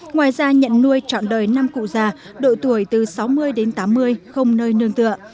ngoài ra nhận nuôi chọn đời năm cụ già độ tuổi từ sáu mươi đến tám mươi không nơi nương tựa